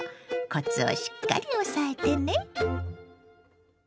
コツをしっかり押さえてね。